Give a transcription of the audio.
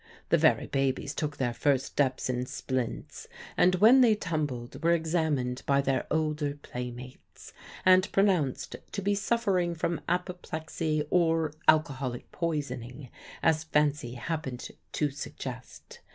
The very babies took their first steps in splints, and when they tumbled were examined by their older playmates, and pronounced to be suffering from apoplexy or alcoholic poisoning, as fancy happened to suggest.